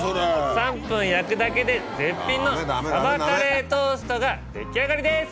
３分焼くだけで絶品のさばカレートーストが出来上がりです！